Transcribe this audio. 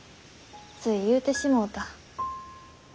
つい言うてしもうた。